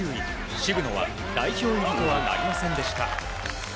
渋野は代表入りとはなりませんでした。